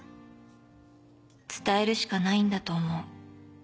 ［伝えるしかないんだと思う］